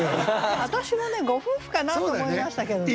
私もねご夫婦かなと思いましたけどね。